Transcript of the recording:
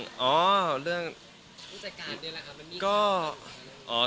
ผู้จัดการเป็นเรื่องก่อน